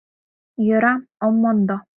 — Йӧра, ом мондо.